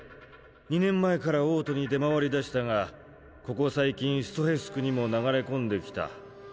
２年前から王都に出回りだしたがここ最近ストヘス区にも流れ込んできた。